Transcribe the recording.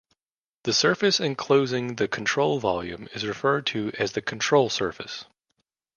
The surface enclosing the control volume is referred to as the control surface.